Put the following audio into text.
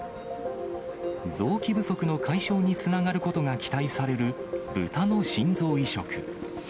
臓器不足の解消につながることが期待される、ブタの心臓移植。